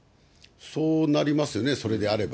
そうなりますね、それであれば。